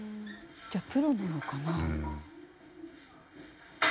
じゃあプロなのかな？